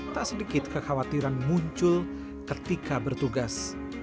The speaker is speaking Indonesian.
tak sedikit kekhawatiran muncul ketika bertugas